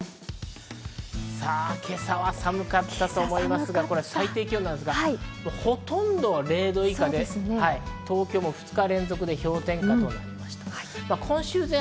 今朝は寒かったと思いますが、これ最低気温なんですが、ほとんど０度以下で東京も２日連続で氷点下となりました。